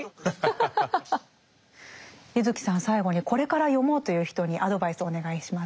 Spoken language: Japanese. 柚木さん最後にこれから読もうという人にアドバイスをお願いします。